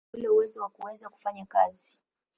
Nishati ni ule uwezo wa kuweza kufanya kazi.